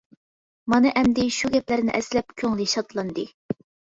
مانا ئەمدى شۇ گەپلەرنى ئەسلەپ كۆڭلى شادلاندى.